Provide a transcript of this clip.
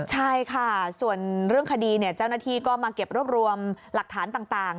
ใช่ค่ะส่วนเรื่องคดีเจ้าหน้าที่ก็มาเก็บรวบรวมหลักฐานต่าง